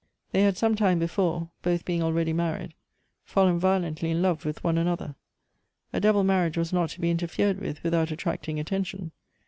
They had some time before, both being already manied, fallen violently in love with one another ; a double marriage was not to be interfered with without attracting attention.